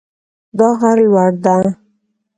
دا غر لوړ ده